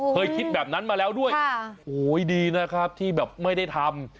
เคยคิดแบบนั้นมาแล้วด้วยโอ้ยดีนะครับที่แบบไม่ได้ทำ